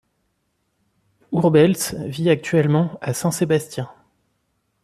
Urbeltz vit actuellement à Saint-Sébastien.